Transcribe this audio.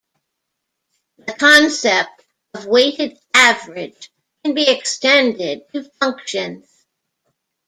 The concept of weighted average can be extended to functions.